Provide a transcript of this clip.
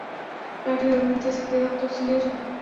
প্লাটিহেলমিনথেসের দেহত্বক সিলিয়াযুক্ত।